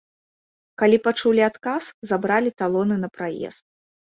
Калі пачулі адказ, забралі талоны на праезд.